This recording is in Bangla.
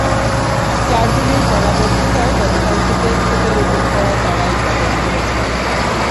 চার দিনের জলাবদ্ধতায় গতকাল থেকে খেতে রোপণ করা চারায় পচন ধরেছে।